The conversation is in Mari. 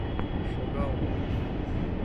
— Шогал!